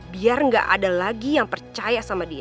biar nggak ada lagi yang percaya sama dia